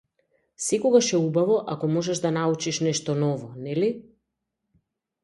Секогаш е убаво ако можеш да научиш нешто ново, нели?